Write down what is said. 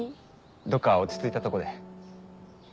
どっか落ち着いたとこで。